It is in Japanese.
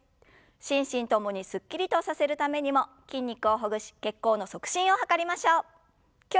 心身共にすっきりとさせるためにも筋肉をほぐし血行の促進を図りましょう。